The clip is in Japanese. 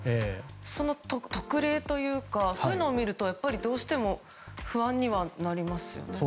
その特例というかそういうのを見るとどうしても不安にはなりますよね。